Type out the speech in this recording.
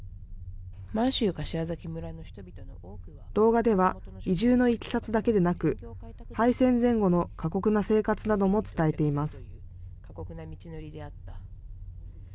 動画では、移住のいきさつだけでなく、敗戦前後の過酷な生活なども伝えています。